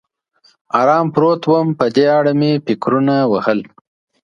ارام پروت ووم، په دې اړه مې فکرونه وهل.